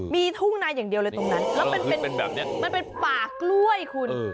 มีทุ่งนั้นอย่างเดียวเลยตรงนั้นแล้วเป็นป่ากล้วยคุณ